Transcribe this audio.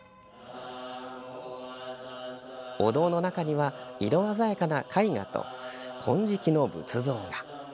お堂の中には色鮮やかな絵画と金色の仏像が。